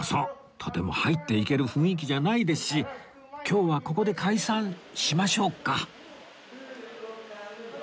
とても入っていける雰囲気じゃないですし今日はここで解散しましょうか